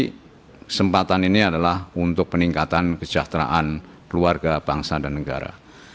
kesempatan ini adalah untuk peningkatan kesejahteraan keluarga bangsa dan negara